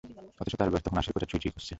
অথচ তার বয়স তখন আশির কোঠা ছুঁই ছুঁই করছে।